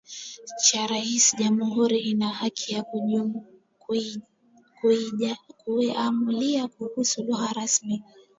cha rais Jamhuri ina haki ya kujiamulia kuhusu lugha rasmi